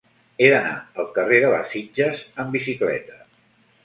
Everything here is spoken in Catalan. He d'anar al carrer de les Sitges amb bicicleta.